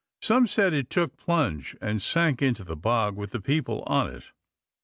Some said that it took plunge and sank into the bog with the people on it.